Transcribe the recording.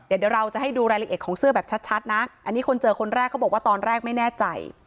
เดี๋ยวเราจะให้ดูรายละเอียดของเสื้อแบบชัดนะอันนี้คนเจอคนแรกเขาบอกว่าตอนแรกไม่แน่ใจ